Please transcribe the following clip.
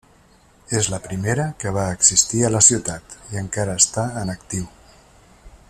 És la primera que va existir a la Ciutat i encara està en actiu.